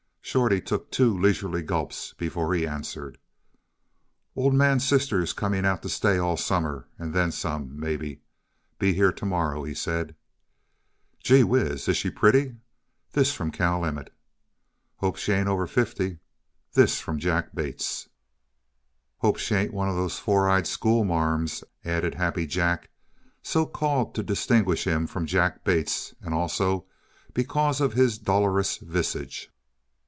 Shorty took two leisurely gulps before he answered: "Old Man's sister's coming out to stay all summer and then some, maybe. Be here to morrow, he said." "Gee whiz! Is she pretty?" This from Cal Emmett. "Hope she ain't over fifty." This from Jack Bates. "Hope she ain't one of them four eyed school ma'ams," added Happy Jack so called to distinguish him from Jack Bates, and also because of his dolorous visage.